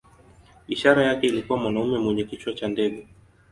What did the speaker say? Ishara yake ilikuwa mwanamume mwenye kichwa cha ndege.